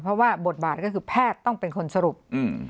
เพราะว่าบทบาทก็คือแพทย์ต้องเป็นคนสรุป